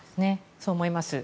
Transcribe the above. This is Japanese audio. そう思います。